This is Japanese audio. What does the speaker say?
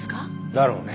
だろうね。